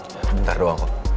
bentar doang kok